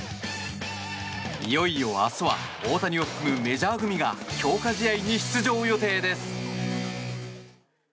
いよいよ、明日は大谷を含むメジャー組が強化試合に出場予定です。